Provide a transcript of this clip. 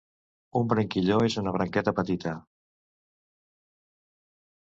Un branquilló és una branqueta petita.